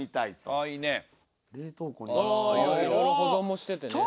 ああいろいろ保存もしててね。